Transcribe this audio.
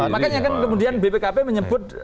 makanya kan kemudian bpkp menyebut